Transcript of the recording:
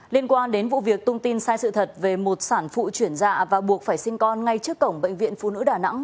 liên quan đến vụ việc tung tin sai sự thật về một sản phụ chuyển dạ và buộc phải sinh con ngay trước cổng bệnh viện phụ nữ đà nẵng